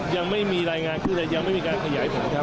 ยังไม่มีรายงานขึ้นเลยยังไม่มีการขยายผลครับ